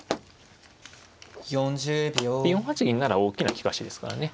４八銀なら大きな利かしですからね。